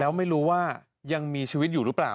แล้วไม่รู้ว่ายังมีชีวิตอยู่หรือเปล่า